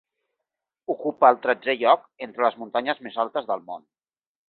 Ocupa el tretzè lloc entre les muntanyes més altes del món.